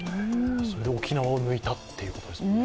それで沖縄を抜いたということですもんね。